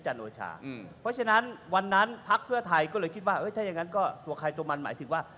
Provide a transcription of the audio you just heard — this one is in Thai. เพราะฉะนั้นวันนั้นพักเพื่อไทยก็เลยคิดว่าถ้าอย่างนั้นก็ตัวใครตัวมันหมายถึงว่า